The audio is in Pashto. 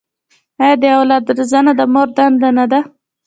آیا د اولاد روزنه د مور دنده نه ده؟